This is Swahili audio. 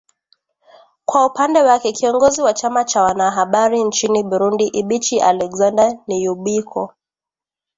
kwa upande wake kiongozi wa chama cha wanahabari nchini burundi ibichi alexander niyubiko